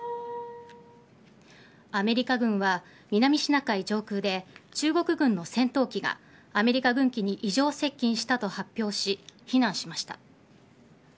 アメリカ軍は南シナ海上空で中国軍の戦闘機がアメリカ軍機に異常接近したと発表し非難しました。